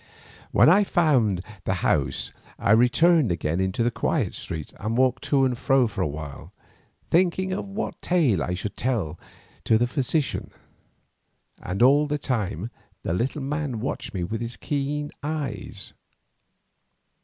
When I had found the house I returned again into the quiet street and walked to and fro there for a while, thinking of what tale I should tell to the physician, and all the time the little man watched me with his keen eyes.